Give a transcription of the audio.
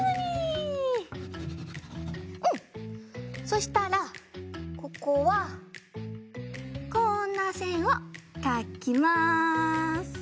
そしたらここはこんなせんをかきます。